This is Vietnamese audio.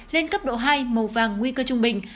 lên cấp độ hai màu vàng nguy cơ trung bình